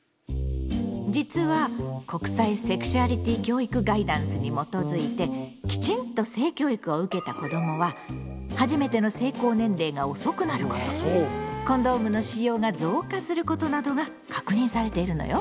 実は国際セクシュアリティ教育ガイダンスに基づいてきちんと性教育を受けた子どもは初めての性交年齢が遅くなることコンドームの使用が増加することなどが確認されているのよ。